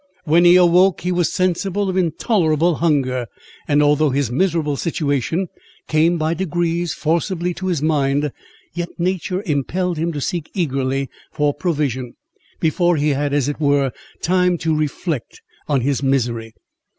When he awoke, he was sensible of intolerable hunger; and although his miserable situation came by degrees forcibly to his mind, yet nature impelled him to seek eagerly for provision, before he had, as it were, time to reflect on his misery.